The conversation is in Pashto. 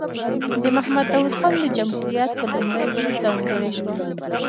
د محمد داود خان د جمهوریت په لومړیو کې ځانګړې شوه.